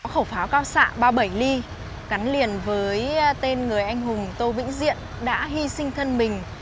khẩu pháo cao xạ ba mươi bảy mm gắn liền với tên người anh hùng tô vĩnh diện đã hy sinh thân mình